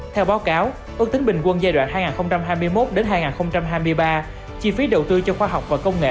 theo báo cáo ước tính bình quân giai đoạn hai nghìn hai mươi một hai nghìn hai mươi ba chi phí đầu tư cho khoa học và công nghệ